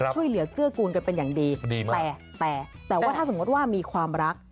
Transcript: ช่วยเหลือเกื้อกูลกันเป็นอย่างดีแต่แต่แต่ว่าถ้าสมมติว่ามีความรัก